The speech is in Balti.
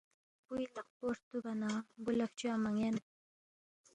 بُوی لقپو ہرتُوبا نہ بُو لہ فچوا مہ یَن